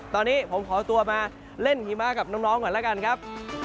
ตอนนี้ผมขอตัวมาเล่นหิมะกับน้องก่อนแล้วกันครับ